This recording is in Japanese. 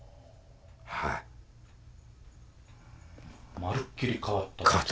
まるっきり変わった？